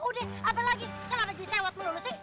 udah apa lagi